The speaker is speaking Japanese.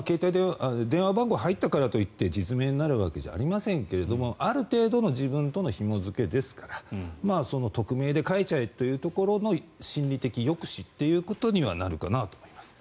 電話番号が入ったからといって実名になるわけではありませんがある程度の自分とのひも付けですから匿名で書いちゃえというところの心理的抑止ということにはなるかなと思います。